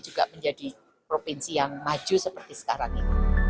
juga menjadi provinsi yang maju seperti sekarang ini